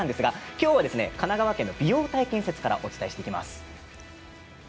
今日は神奈川県の美容体験施設からお伝えします。